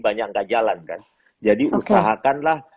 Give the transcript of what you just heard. banyak nggak jalan kan jadi usahakanlah